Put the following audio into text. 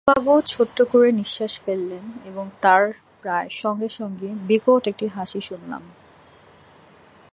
সুধাকান্তবাবু ছোট্ট করে নিঃশ্বাস ফেললেন এবং তার প্রায় সঙ্গে-সঙ্গে বিকট একটা হাসি শুনলাম।